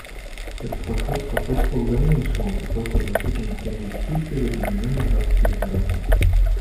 Этот подход способствовал дальнейшему притоку значительных инвестиций в Объединенные Арабские Эмираты.